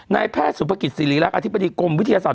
นายแพทย์สุภกิจศิริรักษ์อธิบดีกรมวิทยาศาส